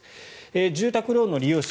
住宅ローンの利用者